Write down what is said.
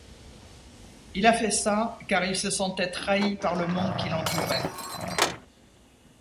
Il a fait ça car il se sentait trahi par le monde qui l'entourait.